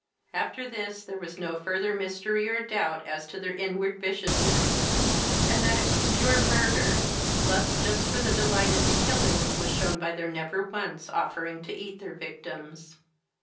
After this there was no further mystery or doubt as to their inward viciousness, and that it was pure murder lust just for the delight in the killing was shown by their never once offering to eat their victims.